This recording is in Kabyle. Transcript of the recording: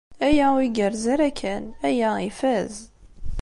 Aya ur igerrez ara kan. Aya ifaz!